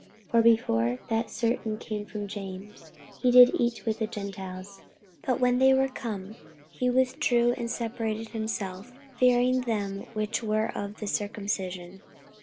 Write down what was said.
48:002:012 For before that certain came from James, he did eat with the Gentiles: but when they were come, he withdrew and separated himself, fearing them which were of the circumcision.